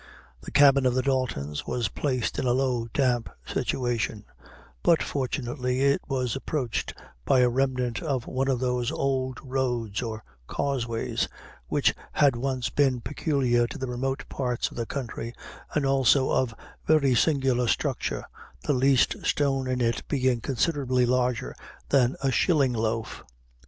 The cabin of the Daltons was placed in a low, damp situation; but fortunately it was approached by a remnant of one of those old roads or causeways which had once been peculiar to the remote parts of the country, and also of very singular structure, the least stone in it being considerably larger than a shilling loaf.